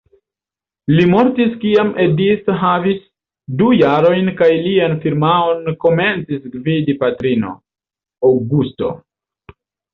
Li mortis kiam Edith havis du jarojn kaj lian firmaon komencis gvidi patrino, Augusto.